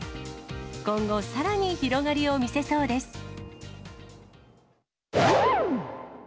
今後、さらに広がりを見せそうです。